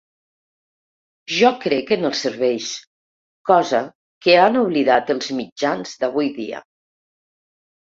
Jo crec en els serveis, cosa que han oblidat els mitjans d’avui dia.